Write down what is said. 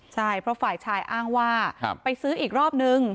ใช่เพราะฝ่ายชายอ้างว่าไปซื้ออีกรอบนึง